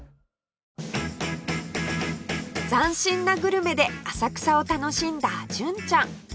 斬新なグルメで浅草を楽しんだ純ちゃん